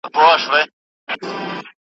دغه جعلي کتابونه ډېر په مهارت جوړ شوي وو.